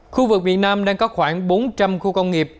khu vực miền nam đang có khoảng bốn trăm linh khu công nghiệp